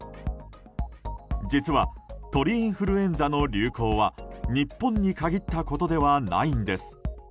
実は鳥インフルエンザの流行は日本に限ったことではないんです。